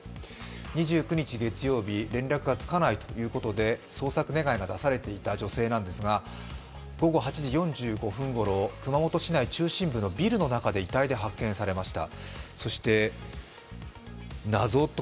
２９日月曜日、連絡がつかないということで捜索願が出されていた女性なんですが午後８時４５分ごろ、熊本市内の中心部のビルの中で遺体で発見されました。